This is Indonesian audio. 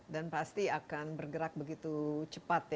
dan pasti akan bergerak begitu cepat ya